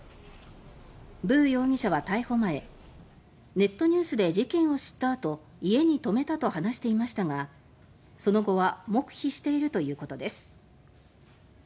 ヴー容疑者は逮捕前「ネットニュースで事件を知った後家に泊めた」と話していましたがその後は黙秘しているということです。